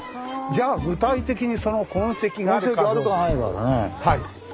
じゃあ具体的にその痕跡が。